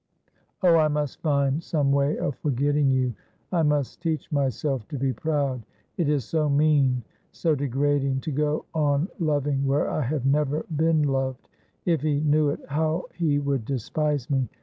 Oh, I must find some way of forgetting you. I must teach my self to be proud. It i« so mean, so degrading, to go on loving where I have never been loved. If he knew it, how he would despise me!